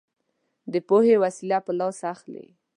دی پوهې وسله په لاس اخلي